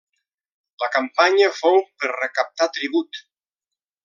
La campanya fou per recaptar tribut.